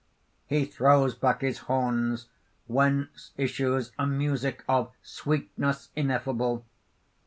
(_He throws back his horns, whence issues a music of sweetness ineffable.